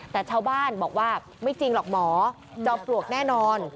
แต่ชาวบ้านบอกว่าไม่จริงหรอกหมอจอมปลวกแน่นอน